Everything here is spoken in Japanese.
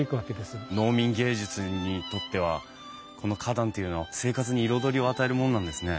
農民藝術にとってはこの花壇っていうのは生活に彩りを与えるもんなんですね。